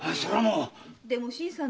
でも新さん